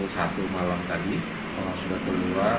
jadi tiga puluh satu malam tadi malam sudah keluar